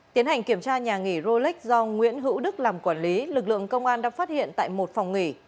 tiến hành kiểm tra nhà nghỉ rolex do nguyễn hữu đức làm quản lý lực lượng công an đã phát hiện tại một phòng nghỉ